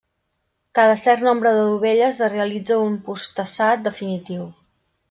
Cada cert nombre de dovelles es realitza un posttesat definitiu.